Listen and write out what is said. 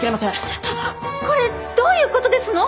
ちょっとこれどういう事ですの！？